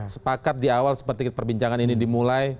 sepakat di awal seperti perbincangan ini dimulai